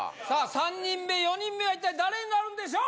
３人目４人目は一体誰になるんでしょう？